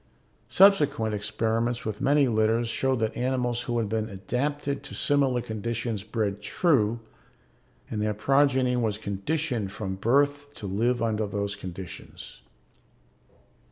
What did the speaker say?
Subsequent experiments with many litters showed that animals who had been adapted to similar conditions bred true and their progeny was conditioned from birth to live under those conditions.